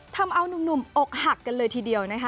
ทำเอานุ่มอกหักกันเลยทีเดียวนะคะ